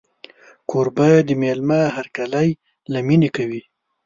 کوربه د مېلمه هرکلی له مینې کوي.